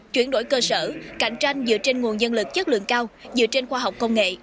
chuyển đổi cơ sở cạnh tranh dựa trên nguồn nhân lực chất lượng cao dựa trên khoa học công nghệ